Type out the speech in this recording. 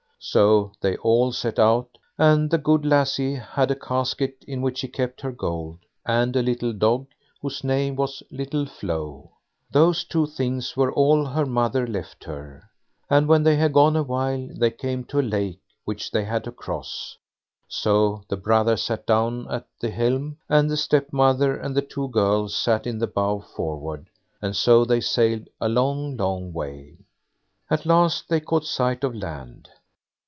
So they all set out, and the good lassie had a casket in which she kept her gold, and a little dog, whose name was "Little Flo"; those two things were all her mother left her. And when they had gone a while, they came to a lake which they had to cross; so the brother sat down at the helm, and the stepmother and the two girls sat in the bow foreward, and so they sailed a long, long way. At last they caught sight of land.